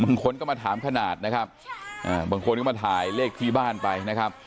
บางคนก็มาถามขนาดนะครับอ่าบางคนก็มาถ่ายเลขที่บ้านไปนะครับ